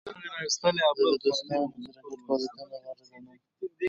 زه د دوستانو سره ګډ فعالیتونه غوره ګڼم.